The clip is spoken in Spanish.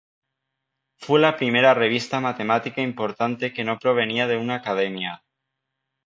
Fue la primera revista matemática importante que no provenía de una academia.